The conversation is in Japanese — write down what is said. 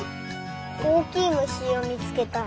おおきいむしをみつけたい。